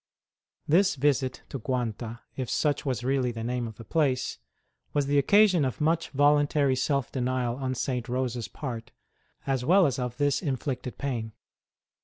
This visit to Guarita if such was really the name of the place was the occasion of much voluntary self denial on St. Rose s part, as well as of this inflicted pain.